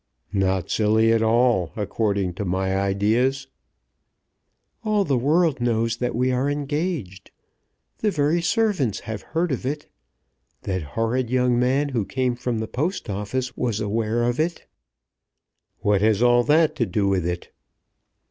"Not silly at all, according to my ideas." "All the world knows that we are engaged. The very servants have heard of it. That horrid young man who came from the Post Office was aware of it." "What has all that to do with it?"